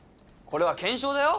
これは検証だよ？